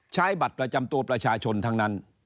ใช้บัตรประจำตัวประชาชนทั้งนั้น